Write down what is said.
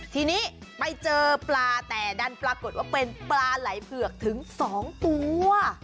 ทีนี้ไปเจอปลาแต่ดันปรากฏว่าเป็นปลาไหล่เผือกถึง๒ตัว